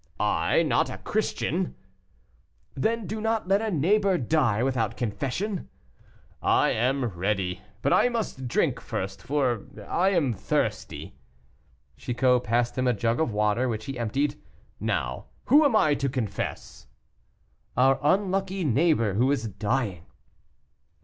"I not a Christian!" "Then do not let a neighbor die without confession." "I am ready, but I must drink first, for I am thirsty." Chicot passed him a jug of water, which he emptied. "Now who am I to confess?" "Our unlucky neighbor who is dying."